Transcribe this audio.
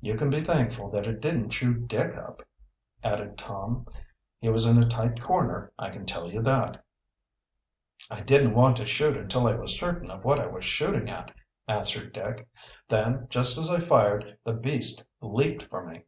"You can be thankful that it didn't chew Dick up," added Tom. "He was in a tight corner, I can tell you that." "I didn't want to shoot until I was certain of what I was shooting at," answered Dick. "Then, just as I fired, the beast leaped for me.